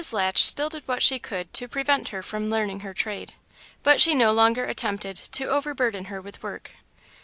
Latch still did what she could to prevent her from learning her trade, but she no longer attempted to overburden her with work.